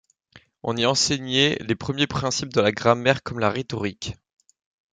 On y enseignait les premiers principes de la grammaire comme la rhétorique.